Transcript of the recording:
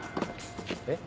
えっ？